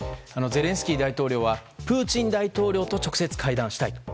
ゼレンスキー大統領はプーチン大統領と直接会談したい。